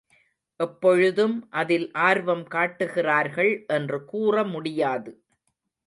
எப்பொழுதும் அதில் ஆர்வம் காட்டுகிறார்கள் என்று கூறமுடியாது.